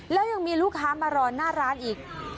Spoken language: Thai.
แล้วยังมีลูกค้ามารอหน้าร้านอีก